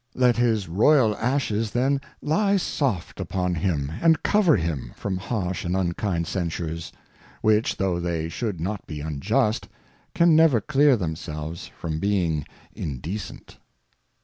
Let his Royal Ashes then lie soft upon him, and cover him from harsh and unkind Censures ; which though they should not be unjust, can never clear themselves from being indecent.